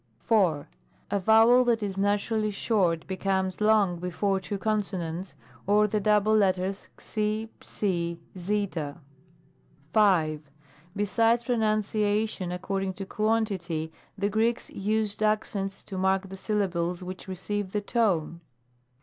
4. A vowel that is naturally short becomes long before two consonants, or the double letters ^, yj, ^. 6. Besides pronunciation according to quantity, the Greeks used accents to mark the syllables which receive the tone.